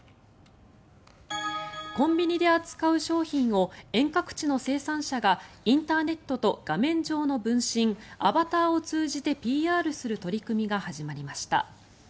コンビニで扱う商品を遠隔地の生産者がインターネットと画面上の分身、アバターを通じてＰＲする取り組みが始まりました。